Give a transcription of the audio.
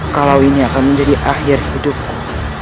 kalau ini akan menjadi akhir hidupku